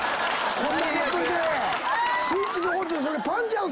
これ。